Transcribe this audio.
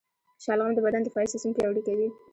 شلغم د بدن دفاعي سیستم پیاوړی کوي.